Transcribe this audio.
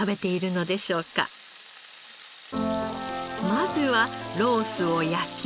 まずはロースを焼き。